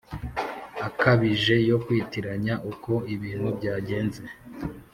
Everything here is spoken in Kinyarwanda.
Akabije yo kwitiranya uko ibintu byagenze